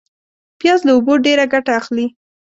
پیاز له اوبو ډېر ګټه اخلي